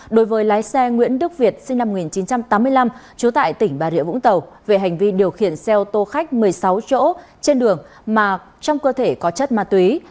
đối với lái xe nguyễn đức việt sinh năm một nghìn chín trăm tám mươi năm trú tại tỉnh bà rịa vũng tàu về hành vi điều khiển xe ô tô khách một mươi sáu chỗ trên đường mà trong cơ thể có chất ma túy